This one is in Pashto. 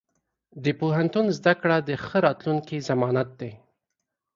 د پوهنتون زده کړه د ښه راتلونکي ضمانت دی.